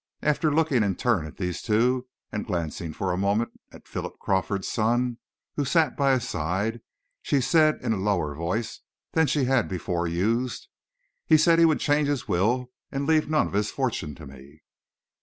After looking in turn at these two, and glancing for a moment at Philip Crawford's son, who sat by his side, she said, in a lower voice than she had before used, "He said he would change his will, and leave none of his fortune to me."